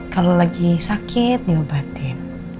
kalau lagi sakit diobatin